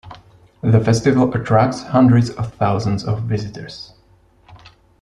The festival attracts hundreds of thousands of visitors.